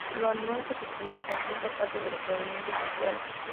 La no legitimación por parte de los movimientos sociales